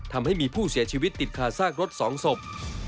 ทำให้มีผู้เสียชีวิตติดคาซากรถ๒ศพ